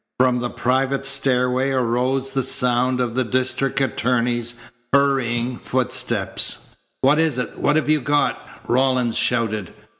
From the private stairway arose the sound of the district attorney's hurrying footsteps. "What is it? What have you got?" Rawlins shouted.